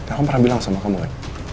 aku pernah bilang sama kamu ma